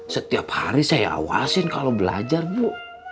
setiap hari saya awasin kalau belajar bu